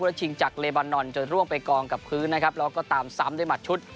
และชิงจากเลบานอนจนร่วงไปกองกับพื้นนะครับแล้วก็ตามซ้ำด้วยหมัดชุด